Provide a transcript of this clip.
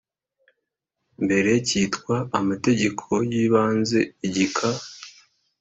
mbere cyitwa Amategeko y Ibanze igika